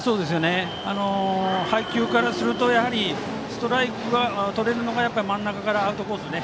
配球からするとやはり、ストライクをとれるのは真ん中からアウトコース